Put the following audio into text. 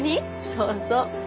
そうそう。